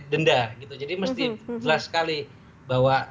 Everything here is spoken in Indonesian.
denda gitu jadi mesti jelas sekali bahwa